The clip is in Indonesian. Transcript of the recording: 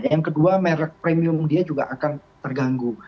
yang kedua merek premium dia juga akan terganggu